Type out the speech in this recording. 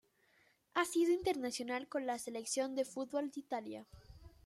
Ha sido internacional con la Selección de fútbol de Italia.